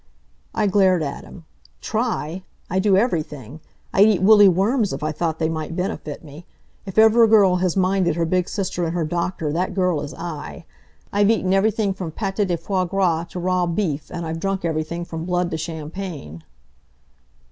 I glared at him. "Try! I do everything. I'd eat woolly worms if I thought they might benefit me. If ever a girl has minded her big sister and her doctor, that girl is I. I've eaten everything from pate de foie gras to raw beef, and I've drunk everything from blood to champagne."